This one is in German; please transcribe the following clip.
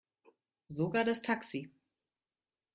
Sogar das Taxi.